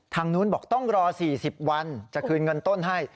ทางนู้นบอกต้องรอ๔๐วันจะคืนเงินต้นให้